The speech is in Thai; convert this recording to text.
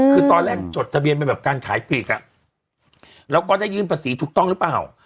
คือตอนแรกจดทะเบียนเป็นแบบการขายปลีกอ่ะแล้วก็ได้ยื่นภาษีถูกต้องหรือเปล่า